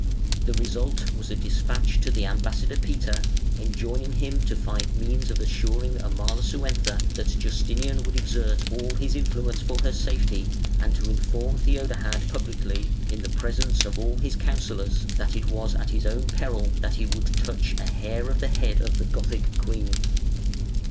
The result was a despatch to the ambassador Peter enjoining him to find means of assuring Amalasuentha that Justinian would exert all his influence for her safety, and to inform Theodahad publicly, in presence of all his counsellors, that it was at his own peril that he would touch a hair of the head of the Gothic queen.